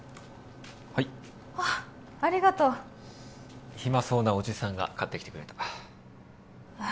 はいあっありがとう暇そうなおじさんが買ってきてくれたああ